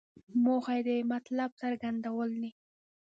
موخه یې د مطلب څرګندول دي.